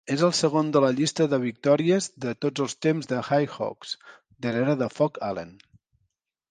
És el segon de la llista de victòries de tots els temps del Jayhawks, darrere de Phog Allen.